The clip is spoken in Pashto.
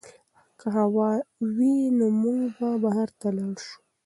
که هوا ښه وي نو موږ به بهر ته لاړ شو.